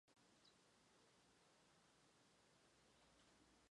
该寺以其训养的能够跳圈的猫而闻名。